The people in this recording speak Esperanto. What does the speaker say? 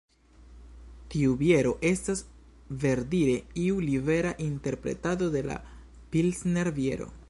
Tiu biero estas verdire iu libera interpretado de la Pilsner-biero.